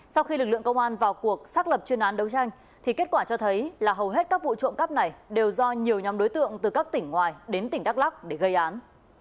sau khi lực lượng công an vào cuộc xác lập chuyên án đấu tranh thì kết quả cho thấy là hầu hết các vụ trộm cắp này đều do nhiều nhóm đối tượng từ các tỉnh ngoài đến tỉnh đắk lắc để gây án